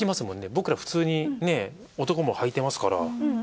僕ら普通にね男もはいてますから。